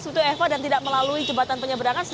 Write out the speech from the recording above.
sebetulnya eva dan tidak melalui jembatan penyebrangan